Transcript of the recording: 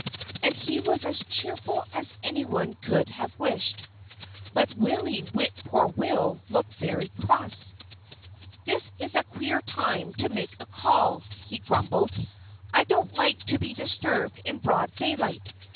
And he was as cheerful as anyone could have wished. But Willie Whip poor will looked very cross. "This is a queer time to make a call!" he grumbled. "I don't like to be disturbed in broad daylight.